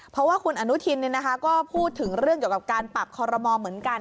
เพราะว่าคุณอนุทินก็พูดถึงเรื่องเกี่ยวกับการปรับคอรมอลเหมือนกัน